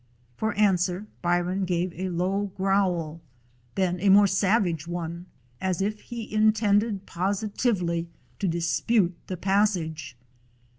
For answer Byron gave a low growl, then a more savage one, as if he intended positively to dispute the passage.